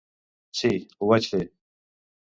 Sí, ho vaig fer.